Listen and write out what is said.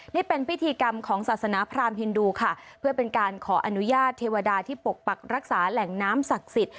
นี่เป็นพิธีกรรมของศาสนาพรามฮินดูค่ะเพื่อเป็นการขออนุญาตเทวดาที่ปกปักรักษาแหล่งน้ำศักดิ์สิทธิ